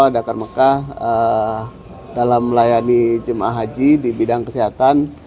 dakar mekah dalam melayani jemaah haji di bidang kesehatan